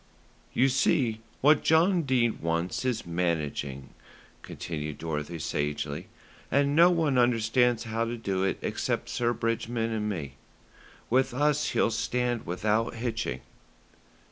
"You see, what John Dene wants is managing," continued Dorothy sagely, "and no one understands how to do it except Sir Bridgman and me. With us he'll stand without hitching."